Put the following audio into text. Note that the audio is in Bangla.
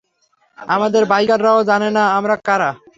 আমাদের বাইকাররাও জানে না আমরা কারা।